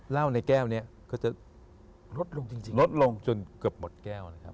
เล่าในแก้วเนี่ยก็จะลดลงจนเกือบหมดแก้วนะครับ